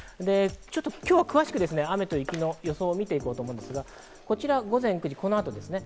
今日は詳しく雨と雪の予想を見て行こうと思うんですが、こちら午前９時、この後ですね。